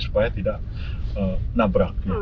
supaya tidak nabrak